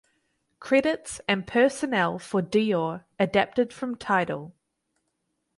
Credits and personnel for "Dior" adapted from Tidal.